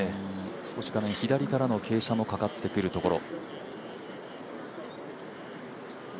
少し画面左からの傾斜もかかってくるところ。